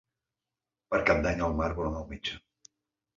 Per Cap d'Any en Marc vol anar al metge.